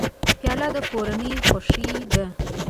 پیاله د کورنۍ خوښي ده.